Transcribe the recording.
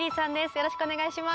よろしくお願いします。